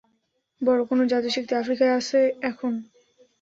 বড় কোনো যাদু শিখতে আফ্রিকায় আছে এখন।